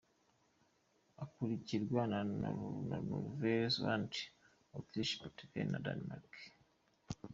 Ikurikirwa na Nouvelle-Zélande, Autriche, Portugal na Danemark.